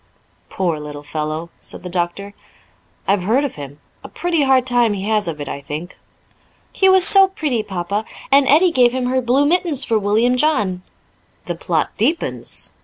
"Poor little fellow!" said the doctor. "I've heard of him; a pretty hard time he has of it, I think." "He was so pretty, Papa. And Edie gave him her blue mittens for William John." "The plot deepens.